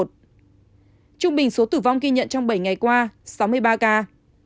trung bình số tử vong ghi nhận trong bảy ngày qua sáu mươi ba ca